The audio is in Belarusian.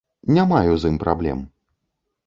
Не маю з ім праблем.